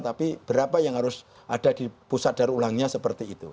tapi berapa yang harus ada di pusat daur ulangnya seperti itu